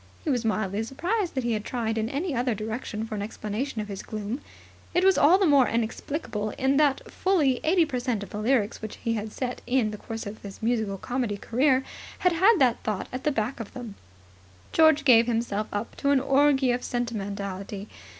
He was mildly surprised that he had tried in any other direction for an explanation of his gloom. It was all the more inexplicable in that fully 80 per cent of the lyrics which he had set in the course of his musical comedy career had had that thought at the back of them. George gave himself up to an orgy of sentimentality.